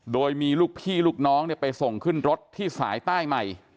โดยมีลูกพี่ลูกน้องไปส่งขึ้นรถที่สายใต้ใหม่